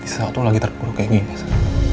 sa waktu lo lagi terpuru kayak gini sa